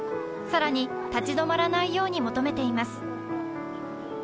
更に、立ち止まらないように求めています。